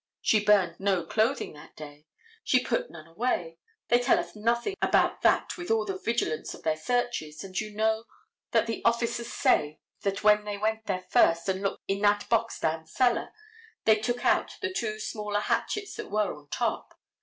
She burned no clothing that day. She put none away. They tell us nothing about that with all the vigilance of their searches, and you know that the officers say that when they went there first, and looked in that box down cellar, they took out the two smaller hatchets that were on top.